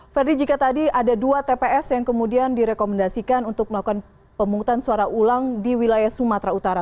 ferdi jika tadi ada dua tps yang kemudian direkomendasikan untuk melakukan pemungutan suara ulang di wilayah sumatera utara